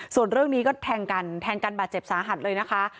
ส่วนเรื่องนี้ก็แทงกันแทงกันบาดเจ็บสาหัสเลยนะคะ